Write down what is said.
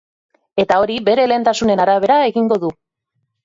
Eta hori bere lehentasunen arabera egingo du.